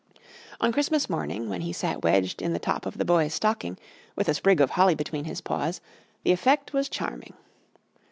On Christmas morning, when he sat wedged in the top of the Boy's stocking, with a sprig of holly between his paws, the effect was charming.